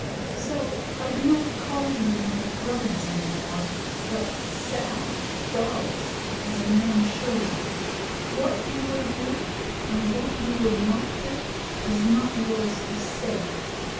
So I do not call ye my brothers any more, but sag [dogs], as a man should. What ye will do, and what ye will not do, is not yours to say.